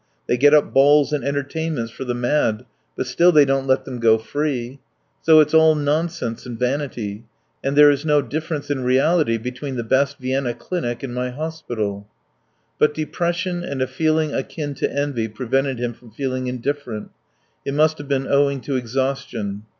They get up balls and entertainments for the mad, but still they don't let them go free; so it's all nonsense and vanity, and there is no difference in reality between the best Vienna clinic and my hospital." But depression and a feeling akin to envy prevented him from feeling indifferent; it must have been owing to exhaustion.